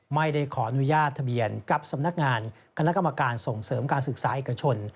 ไม่ได้ขออนุญาตทะเบียนกับสำนักงานคณะกรรมการส่งเสริมการศึกษาเอกชน